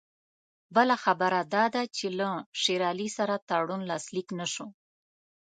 بله خبره دا ده چې له شېر علي سره تړون لاسلیک نه شو.